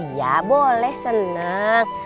iya boleh seneng